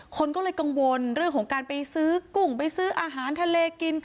คนก็เลยกังวลเรื่องของการไปซื้อกุ้งไปซื้ออาหารทะเลกิน